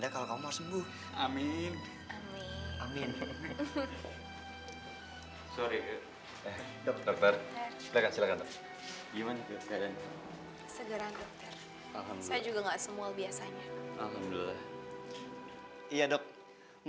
terima kasih sayang